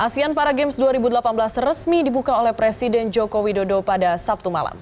asean para games dua ribu delapan belas resmi dibuka oleh presiden joko widodo pada sabtu malam